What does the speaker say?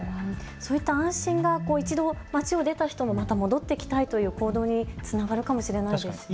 そういった安心が一度、町を出た人もまた戻ってきたいという行動につながるかもしれないですね。